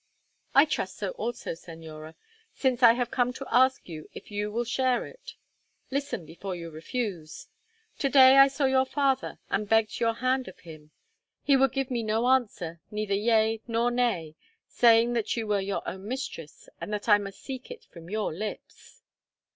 "I trust so also, Señora, since I have come to ask you if you will share it. Listen, before you refuse. To day I saw your father, and begged your hand of him. He would give me no answer, neither yea nor nay, saying that you were your own mistress, and that I must seek it from your lips."